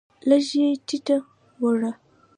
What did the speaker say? لږ یې ټیټه وړه